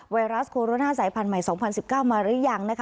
ไวรัสโคโรนาสายพันธุ์ใหม่๒๐๑๙มาหรือยังนะคะ